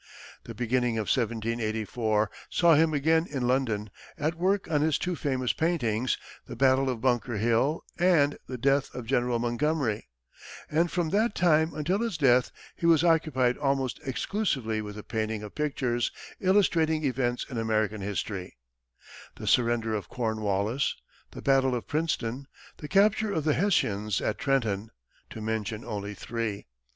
The beginning of 1784 saw him again in London, at work on his two famous paintings, "The Battle of Bunker Hill" and "The Death of General Montgomery," and from that time until his death he was occupied almost exclusively with the painting of pictures illustrating events in American history "The Surrender of Cornwallis," "The Battle of Princeton," "The Capture of the Hessians at Trenton," to mention only three.